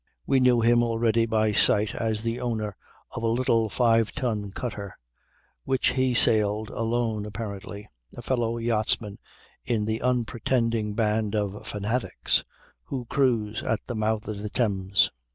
We knew him already by sight as the owner of a little five ton cutter, which he sailed alone apparently, a fellow yachtsman in the unpretending band of fanatics who cruise at the mouth of the Thames.